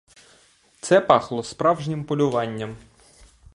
Це пахло справжнім полюванням.